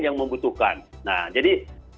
yang membutuhkan nah jadi